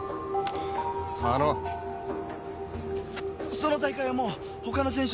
その大会はもう他の選手を立ててる。